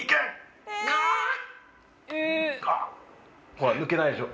ほら抜けないでしょ？